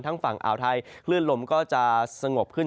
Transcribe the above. ฝั่งอ่าวไทยคลื่นลมก็จะสงบขึ้น